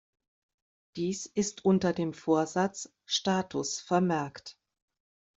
Dies ist unter dem Vorsatz Status vermerkt.